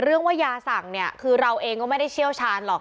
ว่ายาสั่งเนี่ยคือเราเองก็ไม่ได้เชี่ยวชาญหรอก